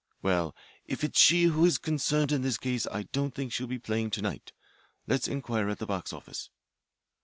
Well, if it's she who is concerned in this case I don't think she'll be playing to night. Let's inquire at the box office."